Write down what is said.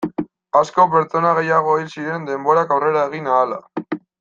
Asko pertsona gehiago hil ziren denborak aurrera egin ahala.